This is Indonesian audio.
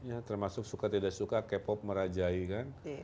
ya termasuk suka tidak suka k pop merajai kan